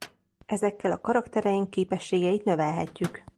Ezekkel a karaktereink képességeit növelhetjük.